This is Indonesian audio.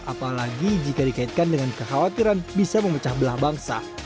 apalagi jika dikaitkan dengan kekhawatiran bisa memecah belah bangsa